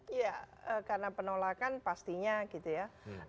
iya karena penolakan pastinya gitu ya